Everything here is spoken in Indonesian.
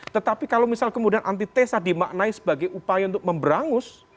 tetapi kalau misal kemudian antitesa dimaknai sebagai upaya untuk memberangus